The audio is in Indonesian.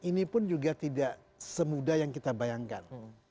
ini pun juga tidak semudah yang kita bayangkan